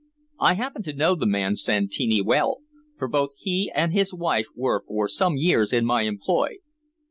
I happen to know the man Santini well, for both he and his wife were for some years in my employ."